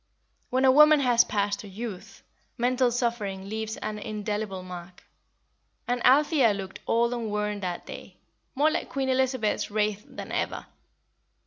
When a woman has passed her youth, mental suffering leaves an indelible mark; and Althea looked old and worn that day, and more like Queen Elizabeth's Wraith than ever.